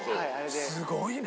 すごいね。